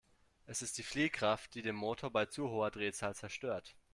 Es ist die Fliehkraft, die den Motor bei zu hoher Drehzahl zerstört.